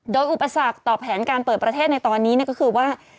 โดยอุปสรรคต่อแผนการเปิดประเทศในตอนนี้ก็คือว่า